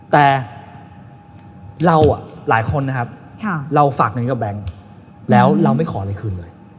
แต่เราหลายคนนะครับเราฝากเงินกับแบงค์แล้วเราไม่ขออะไรคืนเลย